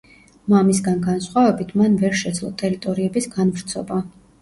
მამისგან განსხვავებით მან ვერ შეძლო ტერიტორიების განვრცობა.